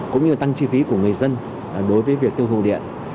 cũng như tăng chi phí của người dân đối với việc tiêu thụ điện